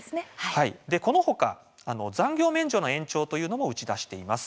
この他、残業免除の延長というのも打ち出しています。